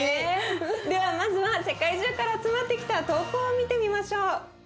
ではまずは世界中から集まってきた投稿を見てみましょう。